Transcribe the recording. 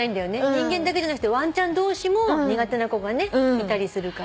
人間だけじゃなくてワンちゃん同士も苦手な子がいたりするから。